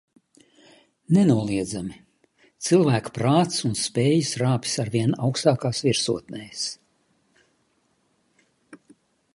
Nenoliedzami - cilvēka prāts un spējas rāpjas arvien augstākās virsotnēs.